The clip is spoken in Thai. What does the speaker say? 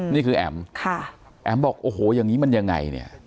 นี่คือแอ๋มแอ๋มบอกโอ้โหอย่างนี้มันยังไงเนี่ย